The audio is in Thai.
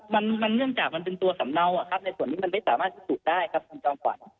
มันมันเนื่องจากมันเป็นตัวสำเนาครับในส่วนนี้มันไม่สามารถพิสูจน์ได้ครับคุณจอมขวัญ